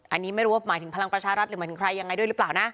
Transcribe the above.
อันนี้ไม่รู้ว่าหมายถึงพลังประชารัฐหรือหมายถึงใครยังไงด้วยหรือเปล่านะ